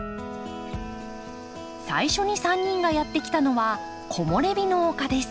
最初に３人がやって来たのはこもれびの丘です。